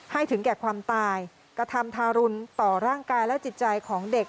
ถึงแก่ความตายกระทำทารุณต่อร่างกายและจิตใจของเด็ก